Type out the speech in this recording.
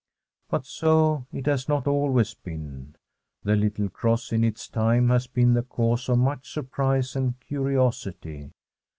But so it has not always been. The little cross in its time has been the cause of much surprise and curiosity.